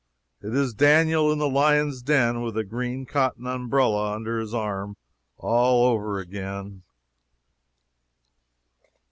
It is Daniel in the lion's den with a green cotton umbrella under his arm, all over again.